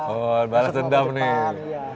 oh barang sedap nih